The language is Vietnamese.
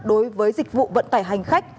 đối với dịch vụ vận tải hành khách